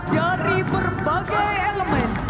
dari berbagai elemen